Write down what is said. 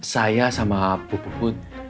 saya sama bu put